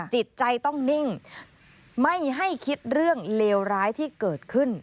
จิตใจต้องนิ่งไม่ให้คิดเรื่องเลวร้ายที่เกิดขึ้น